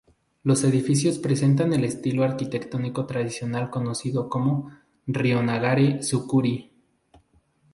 Los edificios presentan el estilo arquitectónico tradicional conocido como: "Ryōnagare-zukuri".